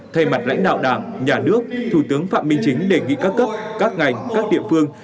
thay mặt lãnh đạo đảng nhà nước thủ tướng phạm minh chính đề nghị các cấp các ngành các địa phương